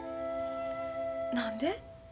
何で？